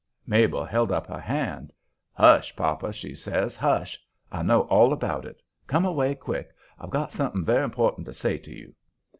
Mabel held up her hand. "Hush, papa," she says. "Hush. I know all about it. Come away, quick; I've got something very important to say to you."